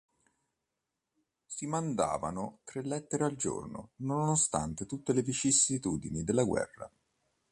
Si mandavano tre lettere al giorno, nonostante tutte le vicissitudini della guerra.